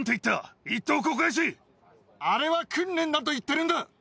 今、あれは訓練だと言ってるんだ！